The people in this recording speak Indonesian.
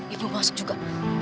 ibu mau masuk juga